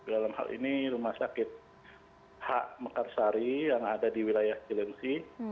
dalam hal ini rumah sakit h mekarsari yang ada di wilayah jelensi